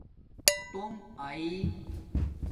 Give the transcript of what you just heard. تݸم آئئ